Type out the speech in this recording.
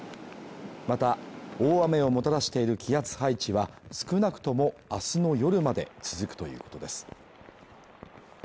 また、大雨をもたらしている気圧配置は、少なくとも明日の夜まで続くということです。